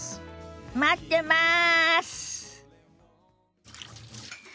待ってます！